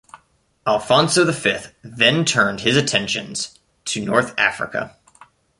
Afonso the Fifth then turned his attentions to North Africa.